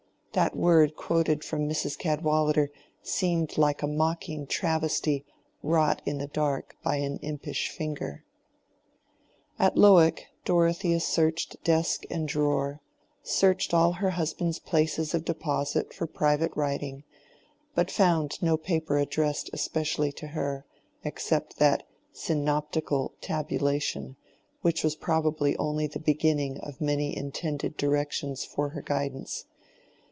That word quoted from Mrs. Cadwallader seemed like a mocking travesty wrought in the dark by an impish finger. At Lowick Dorothea searched desk and drawer—searched all her husband's places of deposit for private writing, but found no paper addressed especially to her, except that "Synoptical Tabulation," which was probably only the beginning of many intended directions for her guidance.